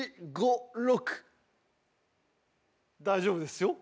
大丈夫ですよ。